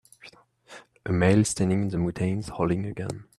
A male standing in the mountains holding a gun